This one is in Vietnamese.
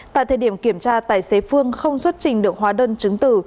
tại thời điểm kiểm tra tài xế phương không xuất trình được hóa đơn chứng tử